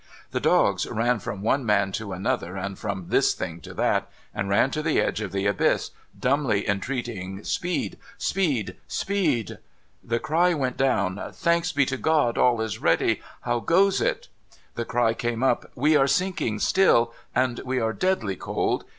The dogs ran from one man to another, and from this thing to that, and ran to the edge of the abyss, dumbly entreating Speed, speed, speed I The cry went down :' Thanks to God, all is ready. How goes it ?' The cry came up :* We are sinking still, and we are deadly cold.